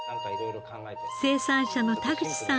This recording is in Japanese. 生産者の田口さん